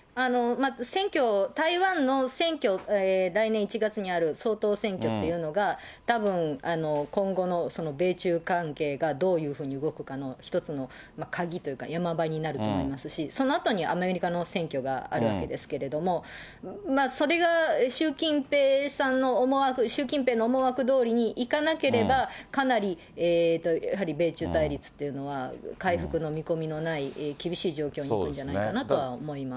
選挙、台湾の選挙、来年１月にある総統選挙っていうのが、たぶん今後の米中関係がどういうふうに動くかの一つの鍵というか、ヤマ場になると思いますし、そのあとにアメリカの選挙があるわけですけれども、それが習近平さんの思惑、習近平の思惑どおりにいかなければ、かなりやはり米中対立っていうのは、回復の見込みのない厳しい状況になるんじゃないかなと思います。